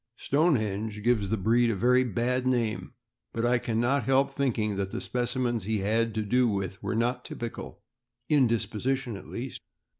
Stonehenge gives the breed a very bad name, but I can not help thinking that the specimens he had to do with were not typical — in disposition, at least.